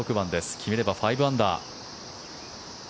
決めれば５アンダー。